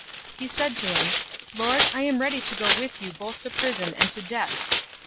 "}." 022:033 He said to him, "Lord, I am ready to go with you both to prison and to death!"